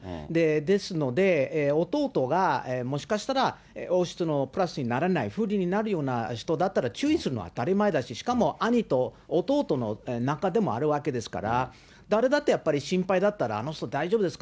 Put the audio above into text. ですので、弟がもしかしたら、王室のプラスにならない、不利になるような人だったら注意するのは当たり前だし、しかも兄と弟の仲でもあるわけですから、誰だってやっぱり心配だったら、あの人大丈夫ですか？